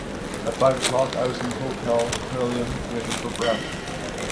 At five o'clock I was in the Hotel Crillon waiting for Brett.